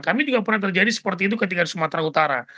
kami juga pernah terjadi seperti itu ketika di sumatera utara